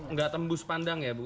nggak tembus pandang ya bu